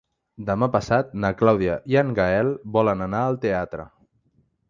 Demà passat na Clàudia i en Gaël volen anar al teatre.